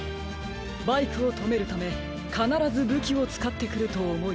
バイクをとめるためかならずぶきをつかってくるとおもい。